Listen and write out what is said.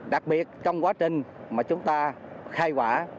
đặc biệt trong quá trình mà chúng ta khai quả